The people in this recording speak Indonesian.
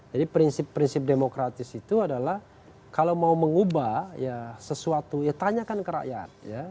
jadi prinsip prinsip demokratis itu adalah kalau mau mengubah ya sesuatu ya tanyakan ke rakyat ya